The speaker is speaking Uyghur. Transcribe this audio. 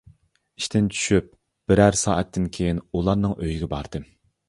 ئىشتىن چۈشۈپ بىرەر سائەتتىن كېيىن ئۇلارنىڭ ئۆيىگە باردىم.